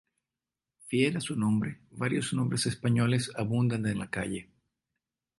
Fiel a su nombre, varios nombres españoles abundan en la calle.